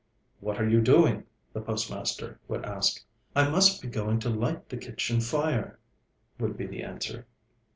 'What are you doing?' the postmaster would ask. 'I must be going to light the kitchen fire,' would be the answer.